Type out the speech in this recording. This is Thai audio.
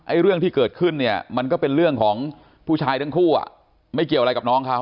เรื่องที่เกิดขึ้นเนี่ยมันก็เป็นเรื่องของผู้ชายทั้งคู่อ่ะไม่เกี่ยวอะไรกับน้องเขา